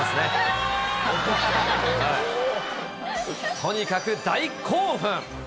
とにかく大興奮。